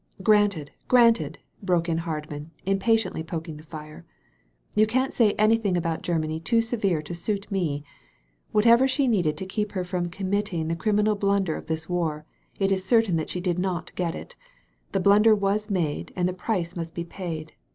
^'Granted, granted," broke in Hardman, impa tiently poking the fire. "You can't say anything about Grennany too severe to suit me. Whatever she needed to keep her from committing the crim inal blunder of this war, it is certain that she did not get it. The blunder was made and the price must be paid.